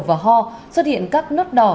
và ho xuất hiện các nốt đỏ